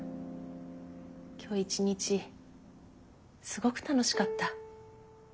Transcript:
今日一日すごく楽しかった。